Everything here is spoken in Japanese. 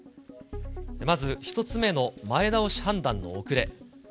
まず１つ目の前倒し判断の遅れ。